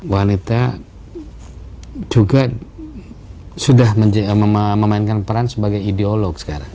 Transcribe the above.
wanita juga sudah memainkan peran sebagai ideolog sekarang